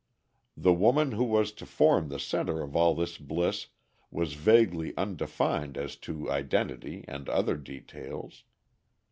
The woman who was to form the center of all this bliss was vaguely undefined as to identity and other details.